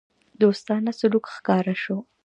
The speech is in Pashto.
دوستانه سلوک ښکاره شو.